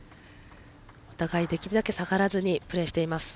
お互い、できるだけ下がらずにプレーしています。